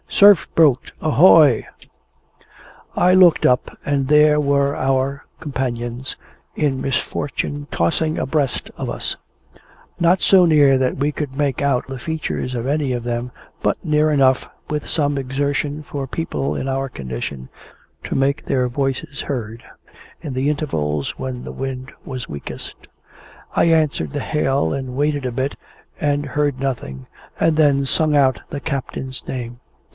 "Surf boat, ahoy!" I looked up, and there were our companions in misfortune tossing abreast of us; not so near that we could make out the features of any of them, but near enough, with some exertion for people in our condition, to make their voices heard in the intervals when the wind was weakest. I answered the hail, and waited a bit, and heard nothing, and then sung out the captain's name.